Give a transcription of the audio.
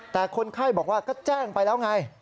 แต่คนไข้บอกว่าก็แจ้งไปแล้วไง